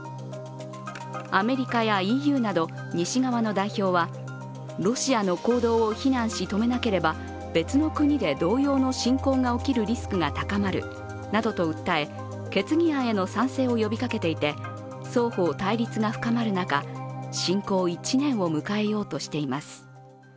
アメリカやＥＵなど西側の代表は、ロシアの行動を非難し止めなければ別の国で同様の侵攻が起こるリスクが高まるなどと訴え、決議案への賛成を呼びかけていてい双方対立が深まる中、侵攻１年を迎えようとしています。